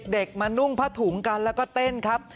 เด็กมานุ่งผ้าถุงกันแล้วก็เต้นครับ